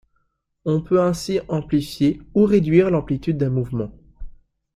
On peut ainsi amplifier ou réduire l'amplitude d'un mouvement.